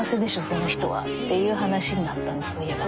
その人はっていう話になったのそういえば。